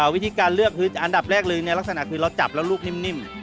วิธีการเลือกคืออันดับแรกเลยลักษณะคือเราจับแล้วลูกนิ่ม